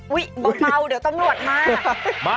อุ๊ยเบาเดี๋ยวต้องรวดมา